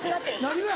何が？